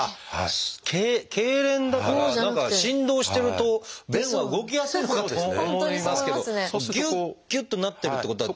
けいれんだから何か振動してると便は動きやすいのかと思いますけどぎゅっぎゅっとなってるってことは。